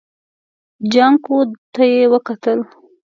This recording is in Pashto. جانکو ته يې وکتل.